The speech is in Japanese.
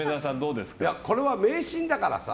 これは迷信だからさ。